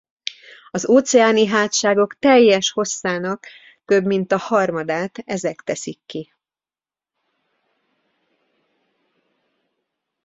Az óceáni hátságok teljes hosszának több mint a harmadát ezek teszik ki.